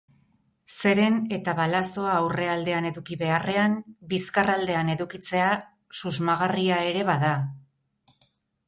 Zeren eta balazoa aurrealdean eduki beharrean, bizkarraldean edukitzea, susmagarria ere bada.